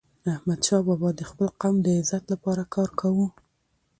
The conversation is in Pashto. احمدشاه بابا د خپل قوم د عزت لپاره کار کاوه.